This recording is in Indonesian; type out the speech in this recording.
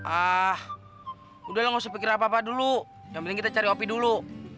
ah udahlah nggak usah pikir apa apa dulu yang penting kita cari kopi dulu